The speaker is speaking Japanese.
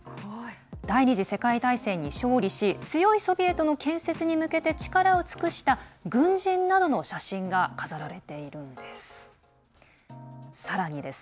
第２次世界大戦に勝利し強いソビエトの建設に向けて力を尽くした軍人などの写真が飾られているんです。